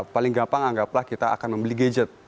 paling gampang anggaplah kita akan membeli gadget